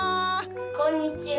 こんにちは！